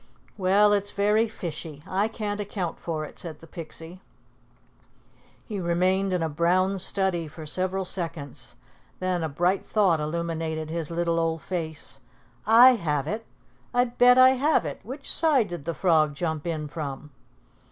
"Well, it's very fishy! I can't account for it," said the Pixie. He remained in a brown study for several seconds; then a bright thought illumined his little old face. "I have it. I bet I have it. Which side did the frog jump in from?"